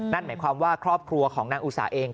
นั่นหมายความว่าครอบครัวของนางอุตสาห์เอง